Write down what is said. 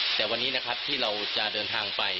แต่วันนี้นะครับที่เราจะเดินทางไป